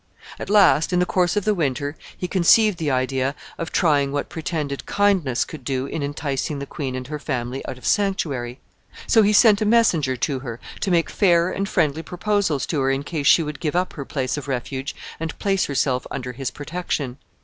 At last, in the course of the winter, he conceived the idea of trying what pretended kindness could do in enticing the queen and her family out of sanctuary. So he sent a messenger to her, to make fair and friendly proposals to her in case she would give up her place of refuge and place herself under his protection.